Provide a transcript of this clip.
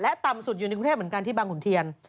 ต่ำสุดอยู่ในกรุงเทพเหมือนกันที่บางขุนเทียน